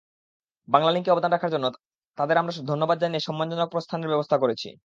বাংলালিংকে অবদান রাখার জন্য তাঁদের আমরা ধন্যবাদ জানিয়ে সম্মানজনক প্রস্থানের ব্যবস্থা করেছি।